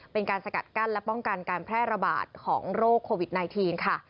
เป็นการสกัดกั้นและป้องกันการแพร่ระบาดของโรคโควิด๑๙ค่ะ